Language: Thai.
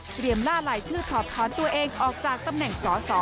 เตรียมล่าไหลทื่อทอดท้อนตัวเองออกจากตำแหน่งสอ